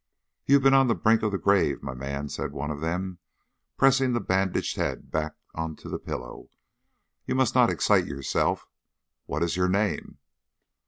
"You have been on the brink of the grave, my man," said one of them, pressing the bandaged head back on to the pillow; "you must not excite yourself. What is your name?"